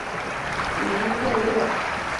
语音未落